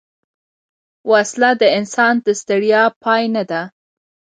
وسله د انسان د ستړیا پای نه ده